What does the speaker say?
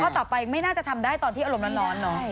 ต่อไปไม่น่าจะทำได้ตอนที่อารมณ์ร้อนเนอะ